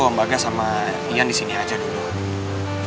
mbak gas sama yan disini aja dulu